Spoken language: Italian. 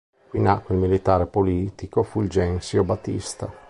Qui nacque il militare e politico Fulgencio Batista.